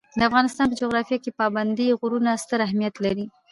د افغانستان په جغرافیه کې پابندي غرونه ستر اهمیت لري.